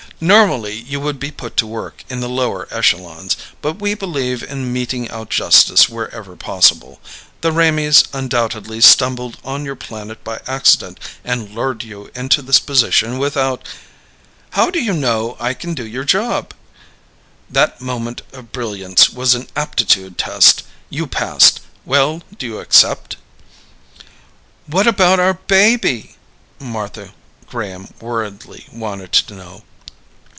"Normally, you would be put to work in the lower echelons, but we believe in meting out justice wherever possible. The Raimees undoubtedly stumbled on your planet by accident and lured you into this position without " "How do you know I can do your job?" "That moment of brilliance was an aptitude test. You passed. Well, do you accept?" "What about our baby?" Martha Graham worriedly wanted to know.